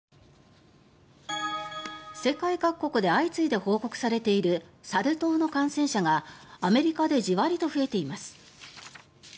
世界各国で相次いで報告されているサル痘の感染者がアメリカでジワリと増えています。